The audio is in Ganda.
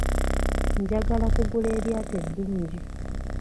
Njagala kugula eryato eddungi.